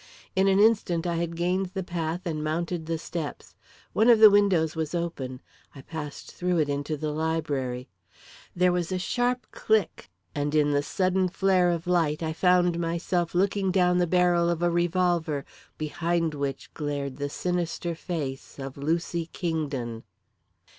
In an instant I had gained the path and mounted the steps. One of the windows was open. I passed through it into the library. There was a sharp click and, in the sudden flare of light, I found myself looking down the barrel of a revolver, behind which glared the sinister face of Lucy Kingdon.